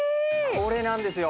これなんですよ。